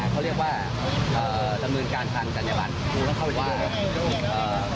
เขาเรียกว่าจำนวนการทางการยาบัน